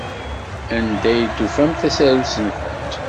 Anda ay d-tufamt tasarut-nwent?